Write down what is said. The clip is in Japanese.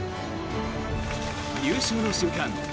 優勝の瞬間